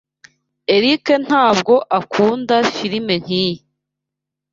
Eric ntabwo akunda firime nkiyi.